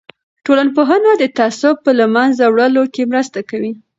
ټولنپوهنه د تعصب په له منځه وړلو کې مرسته کوي.